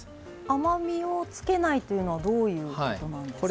甘みをつけないというのはどういうことなんですか？